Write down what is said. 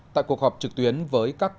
tại cuộc họp trực tuyến với các bệnh viện